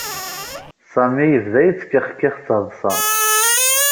Sami yebda yettkexkix d taḍṣa.